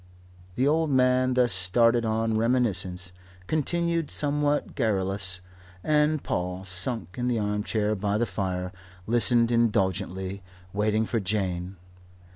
The old man, thus started on reminiscence, continued, somewhat garrulous, and Paul, sunk in the armchair by the fire, listened indulgently, waiting for Jane.